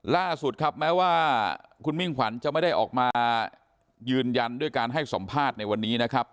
ล่าสุดครับแม้ว่าคุณมิ่งขวัญจะไม่ได้ออกมายืนยันด้วยการให้สัมภาษณ์ในวันนี้นะครับ